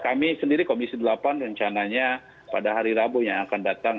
kami sendiri komisi delapan rencananya pada hari rabu yang akan datang